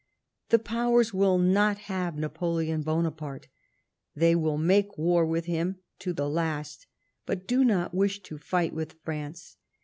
" The Powers will not have Napoleon Bonaparte. They will make war with him to the last, but do not wish to fight with France.'